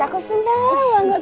aku seneng banget